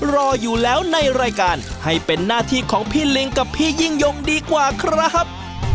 รออยู่แล้วในรายการให้เป็นหน้าที่ของพี่ลิงกับพี่ยิ่งยงดีกว่าครับ